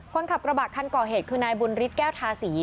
คนขับกระบะคันก่อเหตุคือนายบุญฤทธิแก้วทาสี